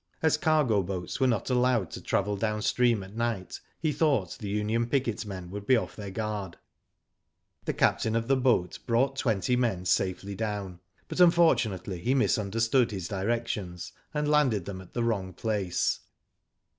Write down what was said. As cargo boats were not allowed to travel dow^n stream at night he thought the union picket men would be off their guard. The captain of the boat brought twenty men safely down, but, unfortunately, he misunderstood I Digitized by V3OOQ IC 114 WHO DID ITT his directions, and landed them at the wrong place.